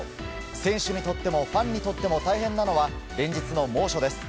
選手にとってもファンにとっても大変なのは連日の猛暑です。